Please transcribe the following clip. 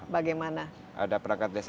bagaimana ada perangkat desa